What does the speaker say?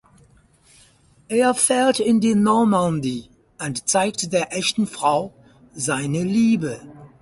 Er fährt in die Normandie und zeigt der echten Frau seine Liebe.